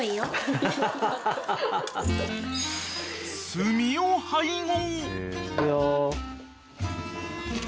［炭を配合］